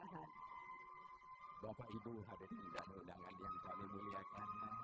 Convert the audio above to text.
bapak ibu hadirin dan undangan yang kami muliakan